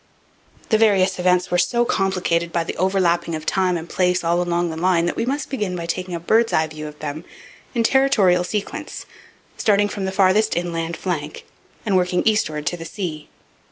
The various events were so complicated by the overlapping of time and place all along the line that we must begin by taking a bird's eye view of them in territorial sequence, starting from the farthest inland flank and working eastward to the sea.